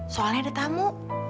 soalnya ada tamu